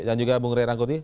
dan juga bung rai rangkuti